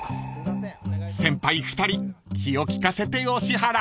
［先輩２人気を利かせてお支払い］